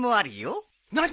何？